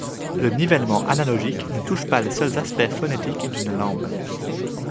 Le nivellement analogique ne touche pas les seuls aspects phonétiques d'une langue.